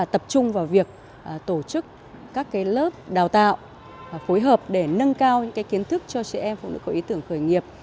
tập trung vào việc tổ chức các lớp đào tạo phối hợp để nâng cao những kiến thức cho trẻ em phụ nữ có ý tưởng khởi nghiệp